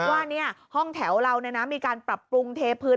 ว่าห้องแถวเรามีการปรับปรุงเทพื้น